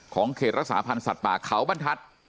ของเขตรักษะพันธุ์ศัตริป่าคราวบรรทัศน์